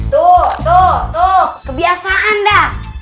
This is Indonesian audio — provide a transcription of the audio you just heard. tuh tuh kebiasaan dah